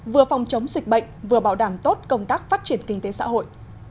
vừa phòng chống dịch bệnh vừa bảo đảm tốt công tác phát triển kinh tế xã hội